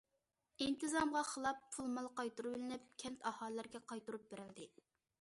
ئىنتىزامغا خىلاپ پۇل- مال قايتۇرۇۋېلىنىپ، كەنت ئاھالىلىرىگە قايتۇرۇپ بېرىلدى.